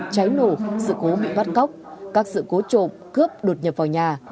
cháy nổ sự cố bị bắt cóc các sự cố trộm cướp đột nhập vào nhà